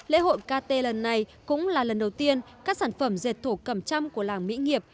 lễ hội kt lần này cũng là lần đầu tiên các sản phẩm dệt thổ cầm trăm của làng mỹ nghiệp